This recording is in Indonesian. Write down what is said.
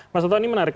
mas ottoni menarik